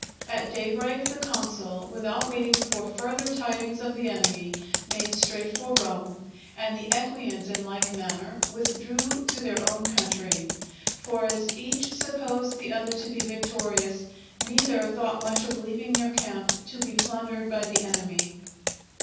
At daybreak the consul, without waiting for further tidings of the enemy, made straight for Rome; and the Equians, in like manner, withdrew to their own country. For as each supposed the other to be victorious, neither thought much of leaving their camp to be plundered by the enemy.